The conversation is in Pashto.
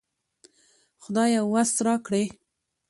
خدايه وس راکړې